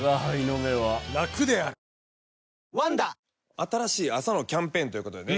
新しい朝のキャンペーンということでね